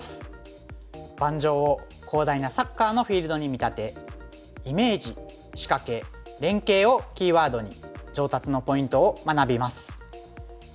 盤上を広大なサッカーのフィールドに見立て「イメージ」「仕掛け」「連携」をキーワードに上達のポイントを学びます。